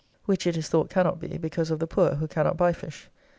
which it is thought cannot be, because of the poor, who cannot buy fish.